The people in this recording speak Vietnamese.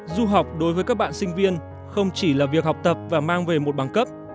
du học đối với các bạn sinh viên không chỉ là việc học tập và mang về một bằng cấp